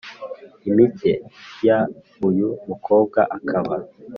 imikeya, uyu mukobwa akaba